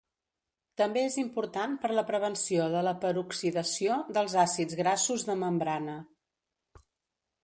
També és important per la prevenció de la peroxidació dels àcids grassos de membrana.